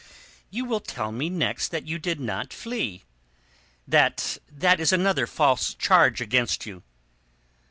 "You will tell me next that you did not flee. That that is another false charge against you?"